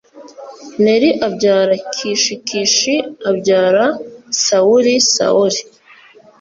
Neri abyara Kishi Kishi abyara Sawuli Sawuli